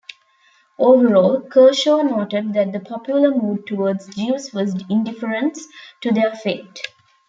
Overall, Kershaw noted that the popular mood towards Jews was indifference to their fate.